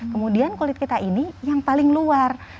kemudian kulit kita ini yang paling luar